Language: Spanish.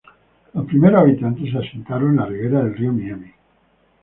Los primeros habitantes se asentaron en la ribera del río Miami.